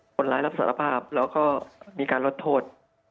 คนร้ายรับสารภาพแล้วก็มีการลดโทษ